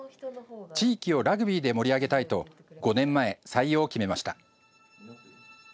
地域をラグビーで盛り上げたいと５年前、採用を決めました。